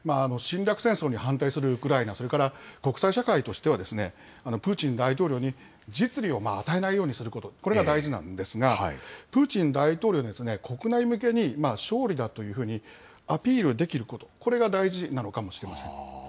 侵略戦争に反対するウクライナ、それから国際社会としてはプーチン大統領に実利を与えないようにすること、これが大事なんですが、プーチン大統領には国内向けに勝利だというふうにアピールできること、これが大事なのかもしれません。